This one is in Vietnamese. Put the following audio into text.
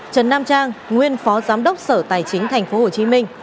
trần nam trang nguyên phó giám đốc sở tài chính tp hcm